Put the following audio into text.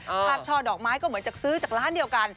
ภาพช่อดอกไม้ก็เหมือนจะซื้อจากร้านเดียวกัน